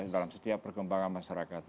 dalam setiap perkembangan masyarakat